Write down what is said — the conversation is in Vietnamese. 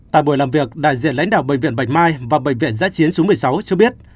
tại buổi làm việc đại diện lãnh đạo bệnh viện bạch mai và bệnh viện giã chiến số một mươi sáu cho biết